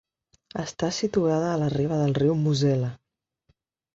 Està situada a la riba del riu Mosel·la.